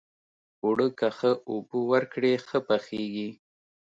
اوړه که ښه اوبه ورکړې، ښه پخیږي